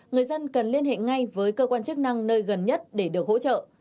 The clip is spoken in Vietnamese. người dân cần liên hệ ngay với cơ quan chức năng nơi gần nhất để được hỗ trợ